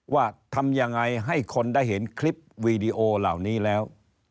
ว่าทำยังไงให้คนได้เห็นคลิปวีดีโอเหล่านี้แล้ว